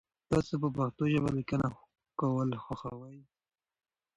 تاسو په پښتو ژبه لیکنه کول خوښوئ؟